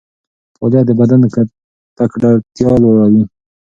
فعالیت د بدن تکړتیا لوړوي.